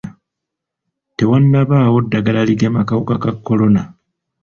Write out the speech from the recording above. Tewannabaawo ddagala ligema kawuka ka kolona